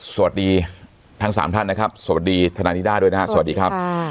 สวัสดีทั้งสามท่านนะครับสวัสดีทนายนิด้าด้วยนะครับสวัสดีครับ